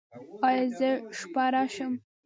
ایا زه شپه راشم؟